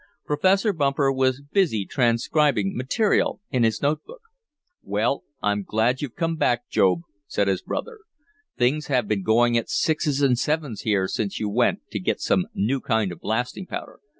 Professor Bumper was busy transcribing material in his note book. "Well, I'm glad you've come back, Job," said his brother. "Things have been going at sixes and sevens here since you went to get some new kind of blasting powder.